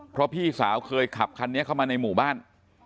เพราะพี่สาวเคยขับคันนี้เข้ามาในหมู่บ้าน